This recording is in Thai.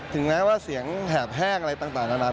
แม้ว่าเสียงแหบแห้งอะไรต่างนานา